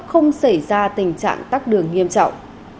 không xảy ra tình trạng tắc đường nghiêm trọng